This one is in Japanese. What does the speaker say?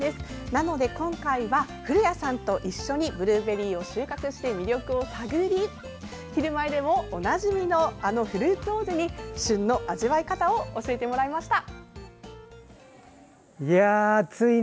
なので今回は古谷さんと一緒にブルーベリーを収穫して魅力を探り「ひるまえ」でもおなじみのあのフルーツ王子に旬の味わい方を教えてもらいました。